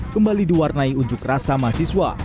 kembali diwarnai unjuk rasa mahasiswa